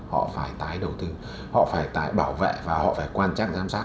họ phải tái đầu tư họ phải tái bảo vệ và họ phải quan trắc giám sát